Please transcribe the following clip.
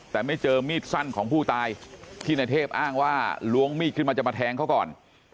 แต่ไม่เจอมีดสั้นของผู้ตายที่ในเทพอ้างว่าล้วงมีดขึ้นมาจะมาแทงเขาก่อน